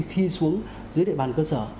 khi xuống dưới địa bàn cơ sở